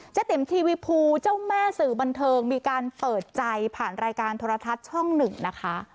ติ๋มทีวีภูเจ้าแม่สื่อบันเทิงมีการเปิดใจผ่านรายการโทรทัศน์ช่องหนึ่งนะคะ